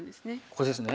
ここですね。